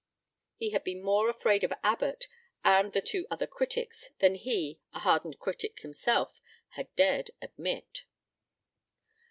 He had been more afraid of Abbott and the two other critics than he, a hardened critic himself, had dared admit.